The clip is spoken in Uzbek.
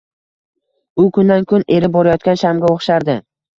U kundan-kun erib borayotgan shamga o`xshardi